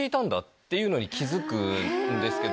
っていうのに気付くんですけど。